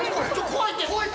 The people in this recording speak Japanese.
怖いって！